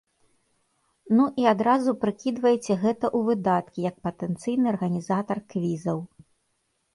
Ну і адразу прыкідвайце гэта ў выдаткі як патэнцыйны арганізатар квізаў.